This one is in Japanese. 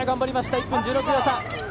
１分１６秒差。